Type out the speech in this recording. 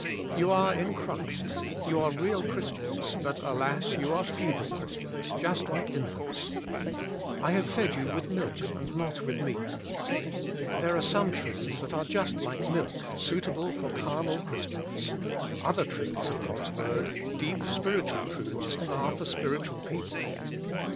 You are in Christ, you are real Christians, but alas, you are feeble Christians, just like infants. " I have fed you with milk and not with meat." There are some truths that are just like milk, suitable for carnal Christians; other truths of God's word, deep spirit ual truths, are for spiritual people.